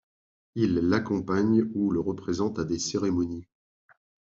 Il l'accompagne ou le représente à des cérémonies.